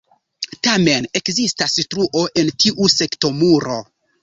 Tamen ekzistas truo en tiu sektomuro.